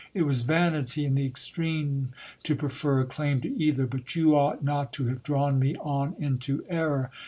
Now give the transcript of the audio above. It was vanity in the extreme to prefer a claim to either : but you ought not to have drawn me on into error.